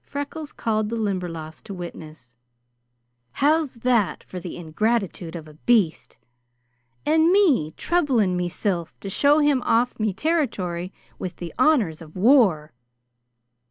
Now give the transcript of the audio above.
Freckles called the Limberlost to witness: "How's that for the ingratitude of a beast? And me troubling mesilf to show him off me territory with the honors of war!"